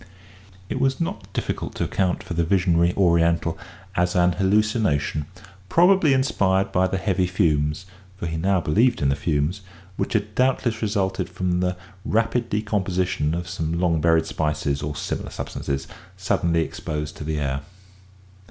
It was not difficult to account for the visionary Oriental as an hallucination probably inspired by the heavy fumes (for he now believed in the fumes) which had doubtless resulted from the rapid decomposition of some long buried spices or similar substances suddenly exposed to the air.